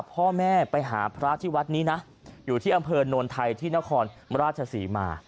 พ่อแม่ไปหาพระที่วัดนี้นะอยู่ที่อำเภอโนนไทยที่นครราชศรีมา